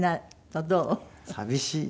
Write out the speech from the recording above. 寂しい。